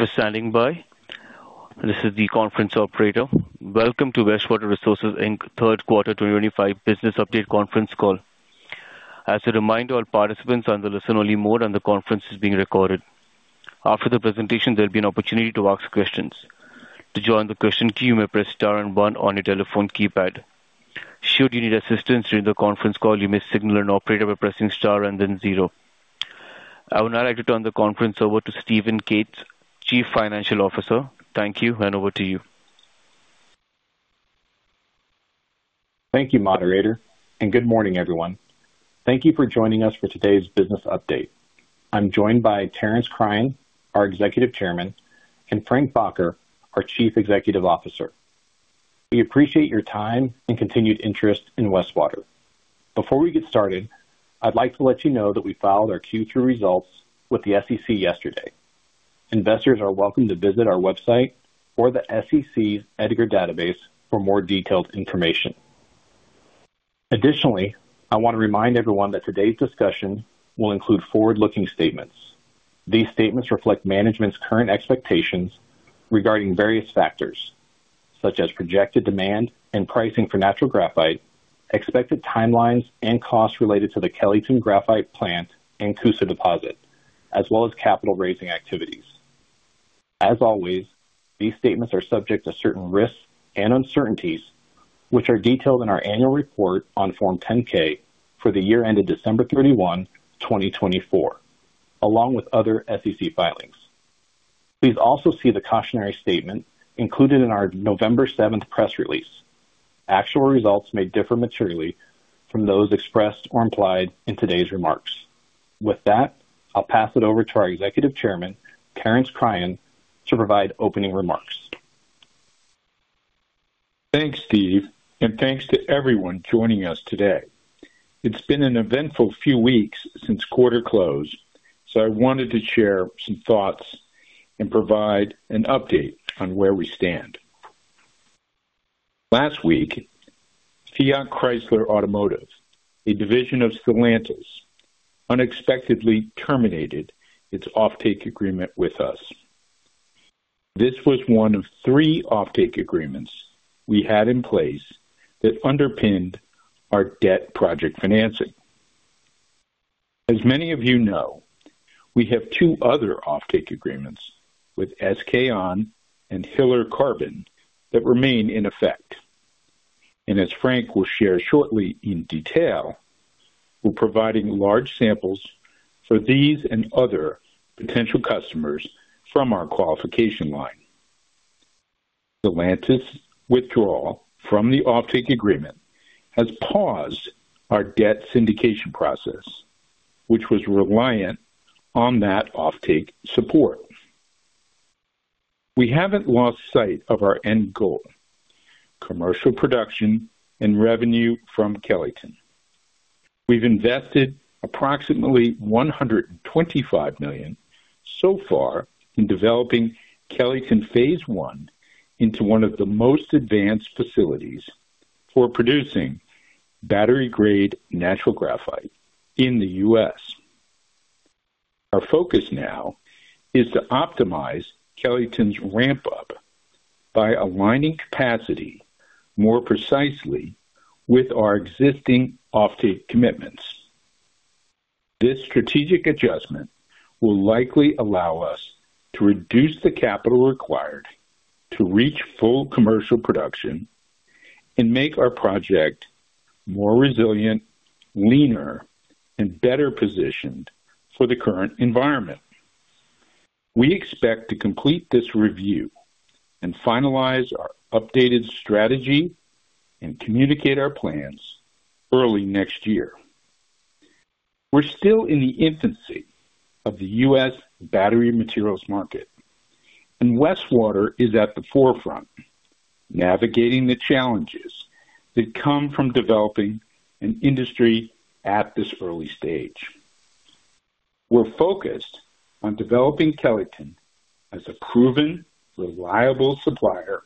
Thank you for standing by. This is the conference operator. Welcome to Westwater Resources' third quarter 2025 business update conference call. As a reminder, all participants are in the listen-only mode, and the conference is being recorded. After the presentation, there'll be an opportunity to ask questions. To join the question queue, you may press star and one on your telephone keypad. Should you need assistance during the conference call, you may signal an operator by pressing star and then zero. I would now like to turn the conference over to Steven Cates, Chief Financial Officer. Thank you, and over to you. Thank you, Moderator, and good morning, everyone. Thank you for joining us for today's business update. I'm joined by Terence Cryan, our Executive Chairman, and Frank Bakker, our Chief Executive Officer. We appreciate your time and continued interest in Westwater Resources. Before we get started, I'd like to let you know that we filed our Q3 results with the SEC yesterday. Investors are welcome to visit our website or the SEC's EDGAR database for more detailed information. Additionally, I want to remind everyone that today's discussion will include forward-looking statements. These statements reflect management's current expectations regarding various factors such as projected demand and pricing for natural graphite, expected timelines, and costs related to the Kellyton Graphite Plant and Coosa Graphite Deposit, as well as capital-raising activities. As always, these statements are subject to certain risks and uncertainties, which are detailed in our annual report on Form 10-K for the year ended December 31, 2024, along with other SEC filings. Please also see the cautionary statement included in our November 7th press release. Actual results may differ materially from those expressed or implied in today's remarks. With that, I'll pass it over to our Executive Chairman, Terence Cryan, to provide opening remarks. Thanks, Steve, and thanks to everyone joining us today. It's been an eventful few weeks since quarter close, so I wanted to share some thoughts and provide an update on where we stand. Last week, Fiat Chrysler Automotive, a division of Stellantis, unexpectedly terminated its off-take agreement with us. This was one of three off-take agreements we had in place that underpinned our debt project financing. As many of you know, we have two other off-take agreements with SK On and Hiller Carbon that remain in effect. As Frank will share shortly in detail, we're providing large samples for these and other potential customers from our qualification line. Stellantis' withdrawal from the off-take agreement has paused our debt syndication process, which was reliant on that off-take support. We haven't lost sight of our end goal: commercial production and revenue from Kellyton. We've invested approximately $125 million so far in developing Kellyton Phase One into one of the most advanced facilities for producing battery-grade natural graphite in the U.S. Our focus now is to optimize Kellyton's ramp-up by aligning capacity more precisely with our existing off-take commitments. This strategic adjustment will likely allow us to reduce the capital required to reach full commercial production and make our project more resilient, leaner, and better positioned for the current environment. We expect to complete this review and finalize our updated strategy and communicate our plans early next year. We're still in the infancy of the U.S. battery materials market, and Westwater is at the forefront, navigating the challenges that come from developing an industry at this early stage. We're focused on developing Kellyton as a proven, reliable supplier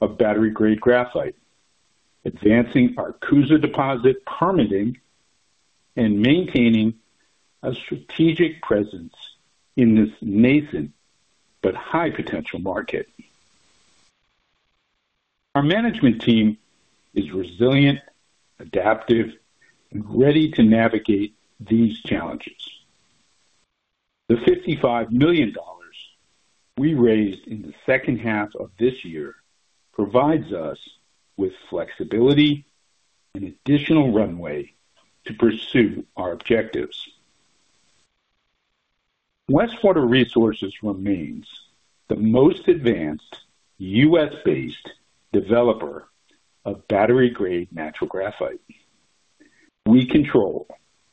of battery-grade graphite, advancing our Coosa Deposit permitting, and maintaining a strategic presence in this nascent but high-potential market. Our management team is resilient, adaptive, and ready to navigate these challenges. The $55 million we raised in the second half of this year provides us with flexibility and additional runway to pursue our objectives. Westwater Resources remains the most advanced U.S.-based developer of battery-grade natural graphite. We control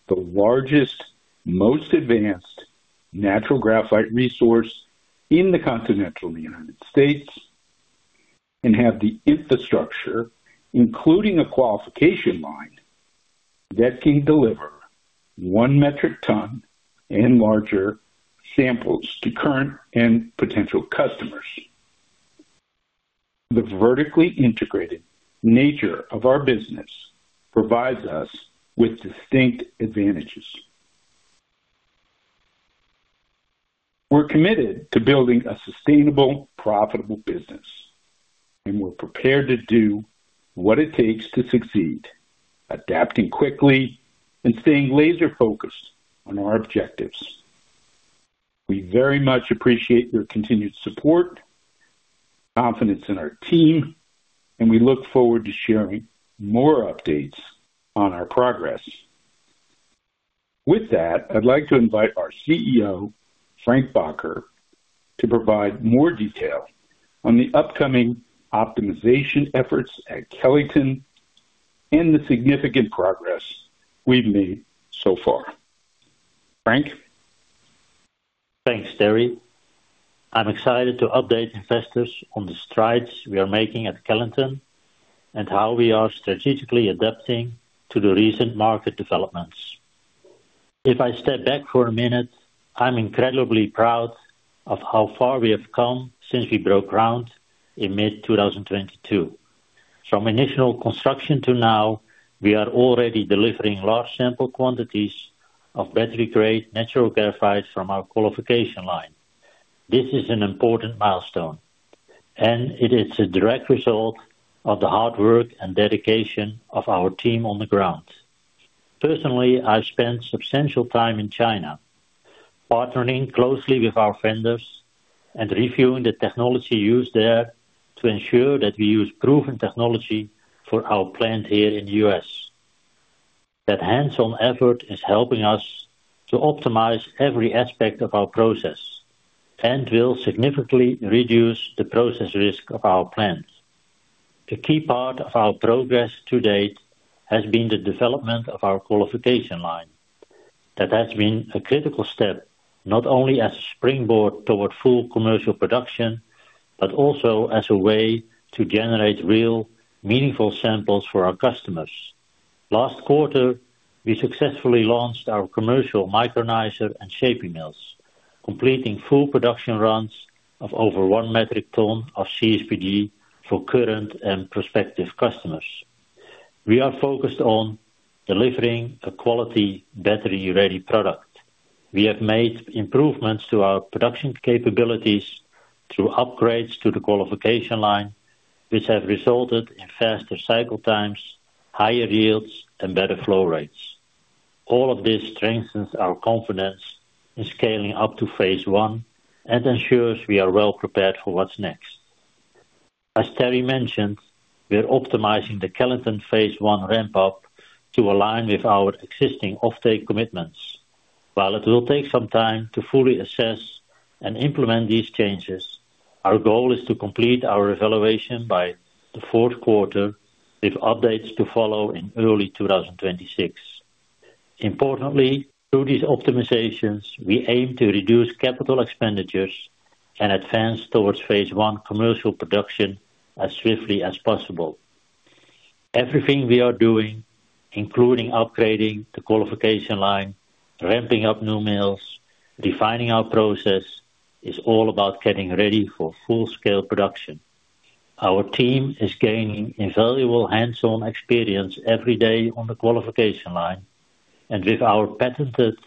the largest, most advanced natural graphite resource in the continental United States and have the infrastructure, including a qualification line, that can deliver one metric ton and larger samples to current and potential customers. The vertically integrated nature of our business provides us with distinct advantages. We're committed to building a sustainable, profitable business, and we're prepared to do what it takes to succeed, adapting quickly and staying laser-focused on our objectives. We very much appreciate your continued support, confidence in our team, and we look forward to sharing more updates on our progress. With that, I'd like to invite our CEO, Frank Bakker, to provide more detail on the upcoming optimization efforts at Kellyton and the significant progress we've made so far. Frank? Thanks, Terry. I'm excited to update investors on the strides we are making at Kellyton and how we are strategically adapting to the recent market developments. If I step back for a minute, I'm incredibly proud of how far we have come since we broke ground in mid-2022. From initial construction to now, we are already delivering large sample quantities of battery-grade natural graphite from our qualification line. This is an important milestone, and it is a direct result of the hard work and dedication of our team on the ground. Personally, I've spent substantial time in China, partnering closely with our vendors and reviewing the technology used there to ensure that we use proven technology for our plant here in the U.S. That hands-on effort is helping us to optimize every aspect of our process and will significantly reduce the process risk of our plant. The key part of our progress to date has been the development of our qualification line. That has been a critical step not only as a springboard toward full commercial production but also as a way to generate real, meaningful samples for our customers. Last quarter, we successfully launched our commercial micronizer and shaping mills, completing full production runs of over one metric ton of CSPG for current and prospective customers. We are focused on delivering a quality battery-ready product. We have made improvements to our production capabilities through upgrades to the qualification line, which have resulted in faster cycle times, higher yields, and better flow rates. All of this strengthens our confidence in scaling up to Phase One and ensures we are well prepared for what's next. As Terence mentioned, we're optimizing the Kellyton Phase One ramp-up to align with our existing off-take commitments. While it will take some time to fully assess and implement these changes, our goal is to complete our evaluation by the fourth quarter with updates to follow in early 2026. Importantly, through these optimizations, we aim to reduce capital expenditures and advance towards Phase One commercial production as swiftly as possible. Everything we are doing, including upgrading the qualification line, ramping up new mills, and refining our process, is all about getting ready for full-scale production. Our team is gaining invaluable hands-on experience every day on the qualification line, and with our patented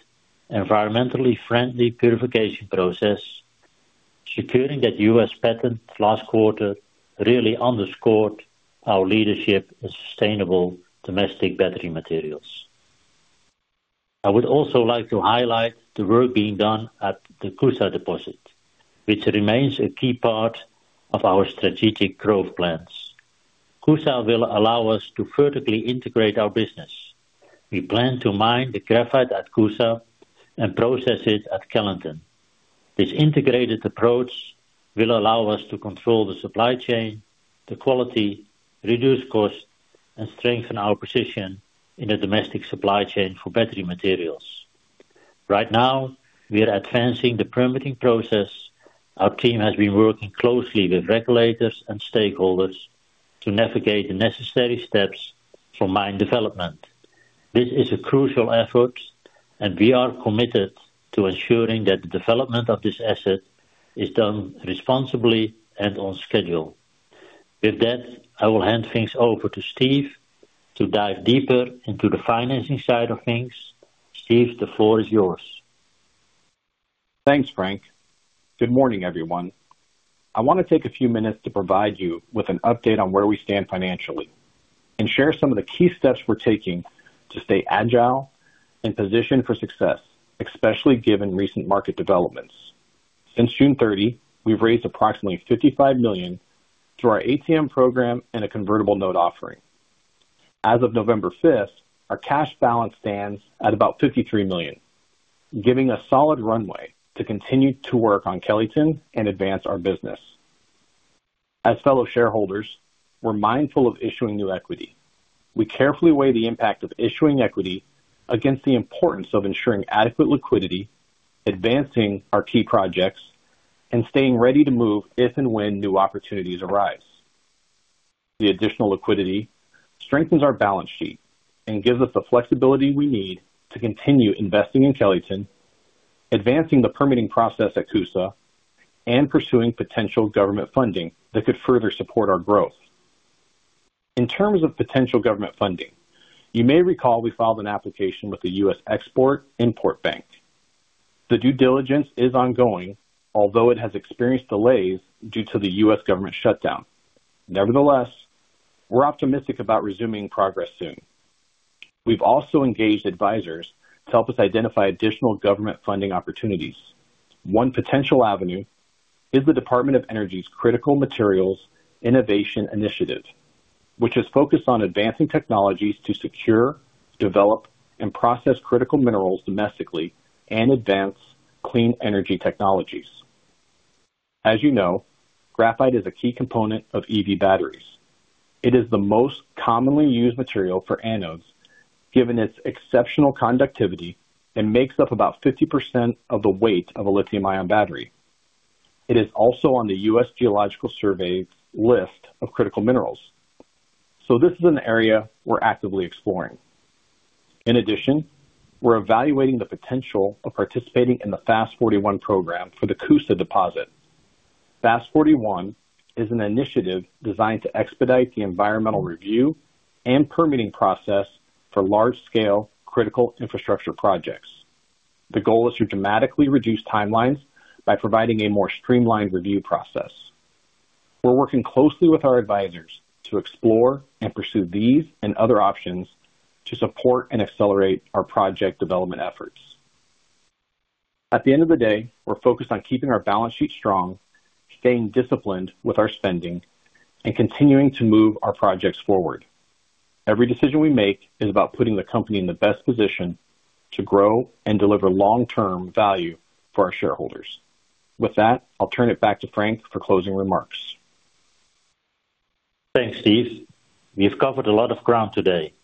environmentally friendly purification process, securing that U.S. patent last quarter really underscored our leadership in sustainable domestic battery materials. I would also like to highlight the work being done at the Coosa Graphite Deposit, which remains a key part of our strategic growth plans. Coosa will allow us to vertically integrate our business. We plan to mine the graphite at Coosa and process it at Kellyton. This integrated approach will allow us to control the supply chain, the quality, reduce costs, and strengthen our position in the domestic supply chain for battery materials. Right now, we are advancing the permitting process. Our team has been working closely with regulators and stakeholders to navigate the necessary steps for mine development. This is a crucial effort, and we are committed to ensuring that the development of this asset is done responsibly and on schedule. With that, I will hand things over to Steve to dive deeper into the financing side of things. Steve, the floor is yours. Thanks, Frank. Good morning, everyone. I want to take a few minutes to provide you with an update on where we stand financially and share some of the key steps we're taking to stay agile and positioned for success, especially given recent market developments. Since June 30, we've raised approximately $55 million through our ATM program and a convertible note offering. As of November 5th, our cash balance stands at about $53 million, giving us a solid runway to continue to work on Kellyton and advance our business. As fellow shareholders, we're mindful of issuing new equity. We carefully weigh the impact of issuing equity against the importance of ensuring adequate liquidity, advancing our key projects, and staying ready to move if and when new opportunities arise. The additional liquidity strengthens our balance sheet and gives us the flexibility we need to continue investing in Kellyton, advancing the permitting process at Coosa, and pursuing potential government funding that could further support our growth. In terms of potential government funding, you may recall we filed an application with the U.S. Export-Import Bank. The due diligence is ongoing, although it has experienced delays due to the U.S. government shutdown. Nevertheless, we're optimistic about resuming progress soon. We've also engaged advisors to help us identify additional government funding opportunities. One potential avenue is the Department of Energy's critical materials innovation initiative, which is focused on advancing technologies to secure, develop, and process critical minerals domestically and advance clean energy technologies. As you know, graphite is a key component of EV batteries. It is the most commonly used material for anodes, given its exceptional conductivity and makes up about 50% of the weight of a lithium-ion battery. It is also on the U.S. Geological Survey's list of critical minerals, so this is an area we're actively exploring. In addition, we're evaluating the potential of participating in the FAST-41 program for the Kusa Deposit. FAST-41 is an initiative designed to expedite the environmental review and permitting process for large-scale critical infrastructure projects. The goal is to dramatically reduce timelines by providing a more streamlined review process. We're working closely with our advisors to explore and pursue these and other options to support and accelerate our project development efforts. At the end of the day, we're focused on keeping our balance sheet strong, staying disciplined with our spending, and continuing to move our projects forward. Every decision we make is about putting the company in the best position to grow and deliver long-term value for our shareholders. With that, I'll turn it back to Frank for closing remarks. Thanks, Steve. We've covered a lot of ground today.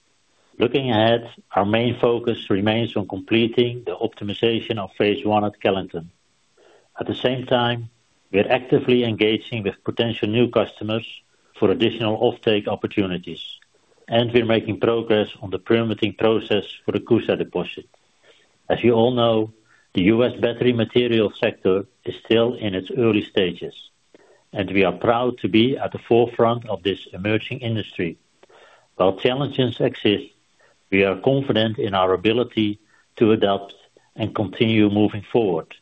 Looking ahead, our main focus remains on completing the optimization of Phase One at Kellyton. At the same time, we're actively engaging with potential new customers for additional off-take opportunities, and we're making progress on the permitting process for the Coosa Deposit. As you all know, the U.S. battery materials sector is still in its early stages, and we are proud to be at the forefront of this emerging industry. While challenges exist, we are confident in our ability to adapt and continue moving forward.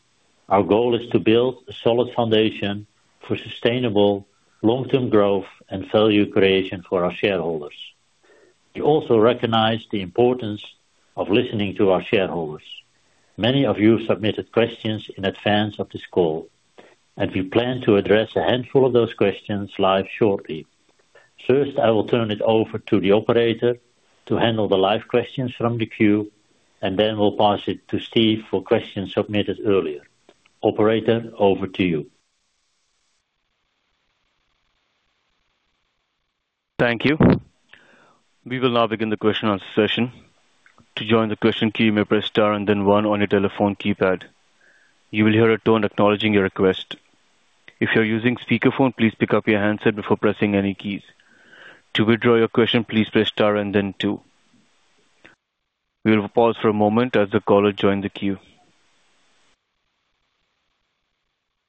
Our goal is to build a solid foundation for sustainable, long-term growth and value creation for our shareholders. We also recognize the importance of listening to our shareholders. Many of you submitted questions in advance of this call, and we plan to address a handful of those questions live shortly. First, I will turn it over to the operator to handle the live questions from the queue, and then we'll pass it to Steve for questions submitted earlier. Operator, over to you. Thank you. We will now begin the question-and-answer session. To join the question queue, you may press Star and then One on your telephone keypad. You will hear a tone acknowledging your request. If you're using speakerphone, please pick up your handset before pressing any keys. To withdraw your question, please press Star and then Two. We will pause for a moment as the callers join the queue.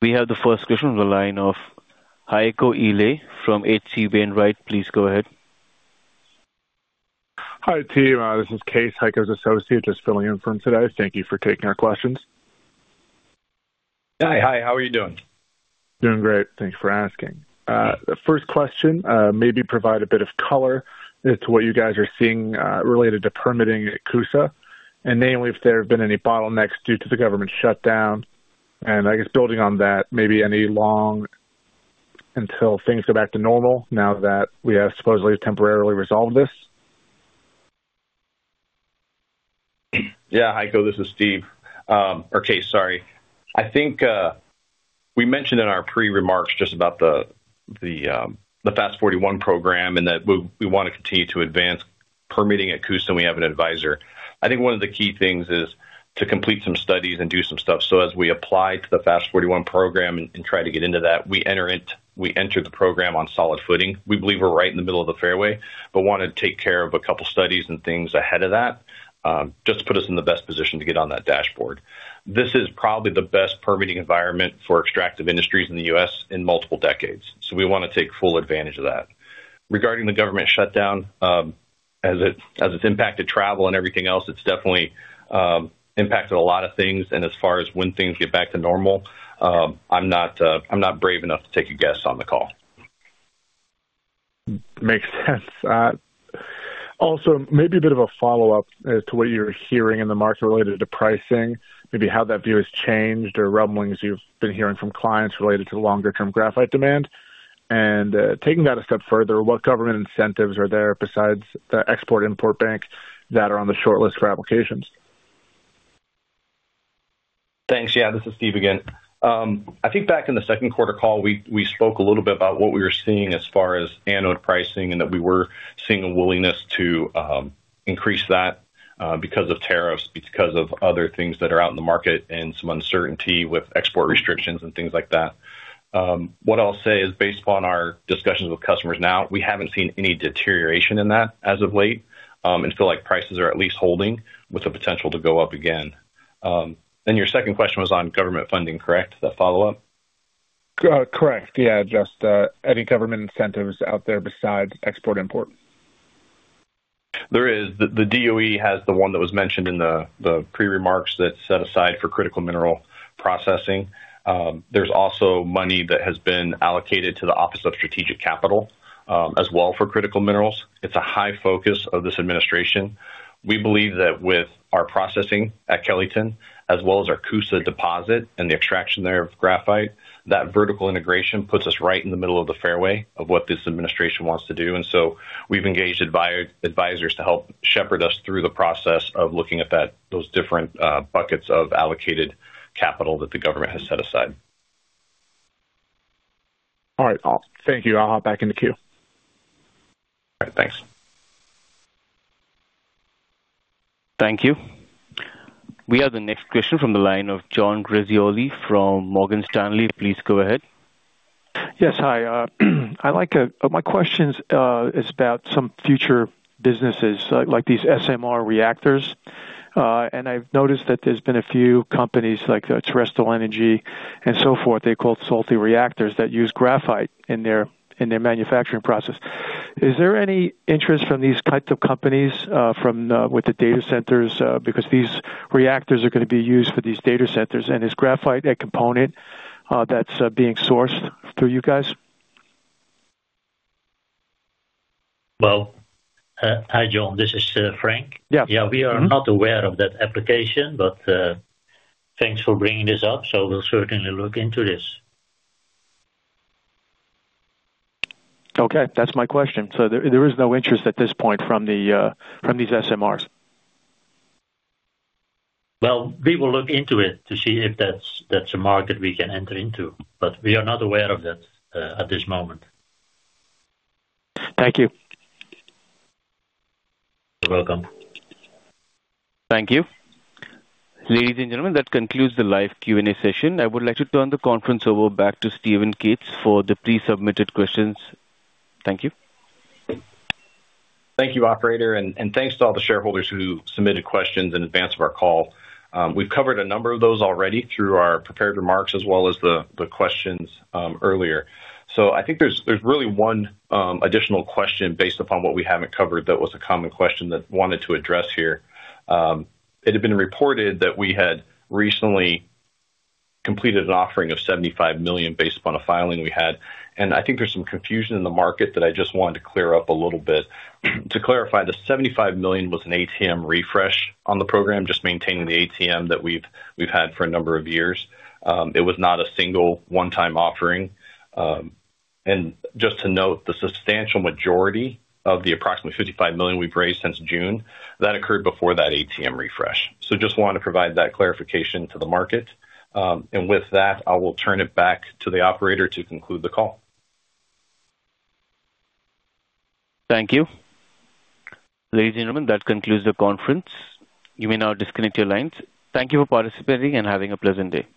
We have the first question on the line of Heiko Ile from H.C. Wainwright. Please go ahead. Hi team. This is Case, Heiko's associate, just filling in for today. Thank you for taking our questions. Hi. How are you doing? Doing great. Thanks for asking. The first question, maybe provide a bit of color as to what you guys are seeing related to permitting at Kusa and namely if there have been any bottlenecks due to the government shutdown. I guess building on that, maybe any idea how long until things go back to normal now that we have supposedly temporarily resolved this? Yeah. Heiko, this is Steve. Or Case, sorry. I think we mentioned in our pre-remarks just about the FAST-41 program and that we want to continue to advance permitting at Kusa and we have an advisor. I think one of the key things is to complete some studies and do some stuff. As we apply to the FAST-41 program and try to get into that, we enter the program on solid footing. We believe we're right in the middle of the fairway but want to take care of a couple of studies and things ahead of that just to put us in the best position to get on that dashboard. This is probably the best permitting environment for extractive industries in the U.S. in multiple decades, so we want to take full advantage of that. Regarding the government shutdown, as it's impacted travel and everything else, it's definitely impacted a lot of things. As far as when things get back to normal, I'm not brave enough to take a guess on the call. Makes sense. Also, maybe a bit of a follow-up as to what you're hearing in the market related to pricing, maybe how that view has changed or rumblings you've been hearing from clients related to longer-term graphite demand. Taking that a step further, what government incentives are there besides the Export-Import Bank that are on the shortlist for applications? Thanks. Yeah. This is Steve again. I think back in the second quarter call, we spoke a little bit about what we were seeing as far as anode pricing and that we were seeing a willingness to increase that because of tariffs, because of other things that are out in the market, and some uncertainty with export restrictions and things like that. What I'll say is based upon our discussions with customers now, we haven't seen any deterioration in that as of late and feel like prices are at least holding with the potential to go up again. Your second question was on government funding, correct? The follow-up? Correct. Yeah. Just any government incentives out there besides export-import? There is. The DOE has the one that was mentioned in the pre-remarks that is set aside for critical mineral processing. There is also money that has been allocated to the Office of Strategic Capital as well for critical minerals. It is a high focus of this administration. We believe that with our processing at Kellyton as well as our Coosa Graphite Deposit and the extraction there of graphite, that vertical integration puts us right in the middle of the fairway of what this administration wants to do. We have engaged advisors to help shepherd us through the process of looking at those different buckets of allocated capital that the government has set aside. All right. Thank you. I'll hop back in the queue. All right. Thanks. Thank you. We have the next question from the line of John Grazioli from Morgan Stanley. Please go ahead. Yes. Hi. My question is about some future businesses like these SMR reactors. I've noticed that there's been a few companies like Terrestrial Energy and so forth. They call it salty reactors that use graphite in their manufacturing process. Is there any interest from these types of companies with the data centers because these reactors are going to be used for these data centers? Is graphite a component that's being sourced through you guys? Hi, John. This is Frank. Yeah. Yeah. We are not aware of that application, but thanks for bringing this up, so we'll certainly look into this. Okay. That's my question. So there is no interest at this point from these SMRs? We will look into it to see if that's a market we can enter into, but we are not aware of that at this moment. Thank you. You're welcome. Thank you. Ladies and gentlemen, that concludes the live Q&A session. I would like to turn the conference over back to Steven Cates for the pre-submitted questions. Thank you. Thank you, Operator. Thank you to all the shareholders who submitted questions in advance of our call. We have covered a number of those already through our prepared remarks as well as the questions earlier. I think there is really one additional question based upon what we have not covered that was a common question that I wanted to address here. It had been reported that we had recently completed an offering of $75 million based upon a filing we had. I think there is some confusion in the market that I just wanted to clear up a little bit. To clarify, the $75 million was an ATM refresh on the program, just maintaining the ATM that we have had for a number of years. It was not a single one-time offering. Just to note, the substantial majority of the approximately $55 million we have raised since June occurred before that ATM refresh. I just wanted to provide that clarification to the market. With that, I will turn it back to the Operator to conclude the call. Thank you. Ladies and gentlemen, that concludes the conference. You may now disconnect your lines. Thank you for participating and have a pleasant day.